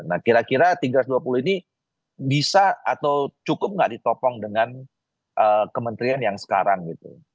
nah kira kira tiga ratus dua puluh ini bisa atau cukup nggak ditopong dengan kementerian yang sekarang gitu